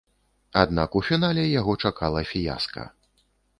Аднак у фінале яго чакала фіяска.